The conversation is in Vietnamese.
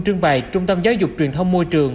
trưng bày trung tâm giáo dục truyền thông môi trường